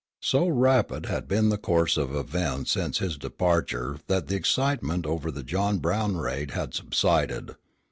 So rapid had been the course of events since his departure that the excitement over the John Brown raid had subsided.